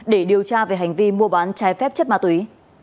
để điều tra về hành vi mua bán trái phép chất ma túy